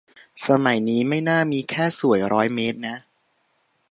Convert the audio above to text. สมัยนี้ไม่น่ามีแค่สวยร้อยเมตรนะ